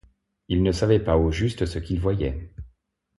Il ne savait pas au juste ce qu'il voyait.